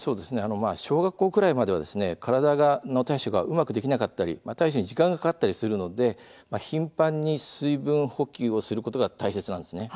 小学校くらいまでは体の対処がうまくできなかったり対処に時間がかかったりするので頻繁に水分補給をすることが大切なんです。